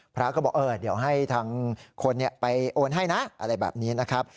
พระก็บอกเดี๋ยวให้ทางคนไปโอนให้นะอะไรแบบนี้นะครับ